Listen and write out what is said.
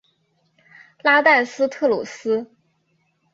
拉代斯特鲁斯。